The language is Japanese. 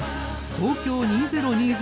東京２０２０